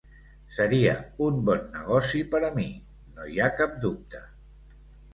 Seria un bon negoci per a mi, no hi ha cap dubte.